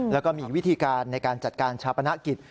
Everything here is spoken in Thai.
แล้วก็มีวิธีการในการจัดการชาปนกิจ